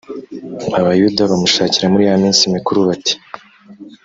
abayuda bamushakira muri ya minsi mikuru bati